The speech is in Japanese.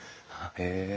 へえ。